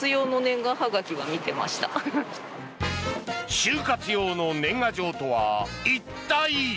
終活用の年賀状とは一体？